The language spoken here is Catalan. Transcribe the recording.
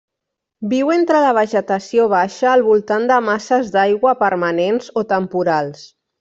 Viu entre la vegetació baixa al voltant de masses d'aigua permanents o temporals.